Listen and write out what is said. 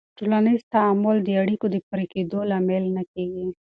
ټولنیز تعامل د اړیکو د پرې کېدو لامل نه کېږي.